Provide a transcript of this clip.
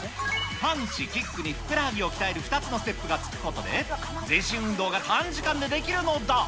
パンチ、キックにふくらはぎを鍛える２つのステップがつくことで全身運動が短時間でできるのだ。